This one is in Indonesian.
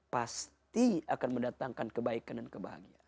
pasti akan mendatangkan kebaikan dan kebahagiaan